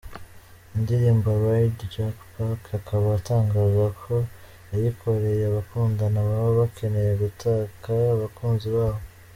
Indirimbo ‘Ride’ Jay Pac akaba atangaza ko yayikoreye abakundana baba bakeneye gutaka abakunzi babo.